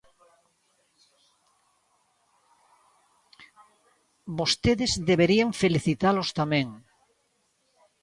Vostedes deberían felicitalos tamén.